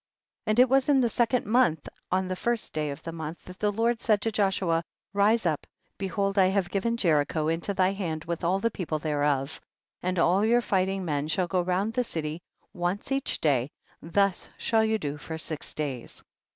14. And it was in the second month, on the first day of the month, that the Lord said to Joshua, rise up, behold I have given Jericho into thy hand with all the people thereof; and all your fighting men shall go round the city, once each day, thus shall you do for six days.